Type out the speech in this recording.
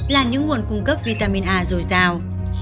là những nguồn cung cấp vitamin a dồi dào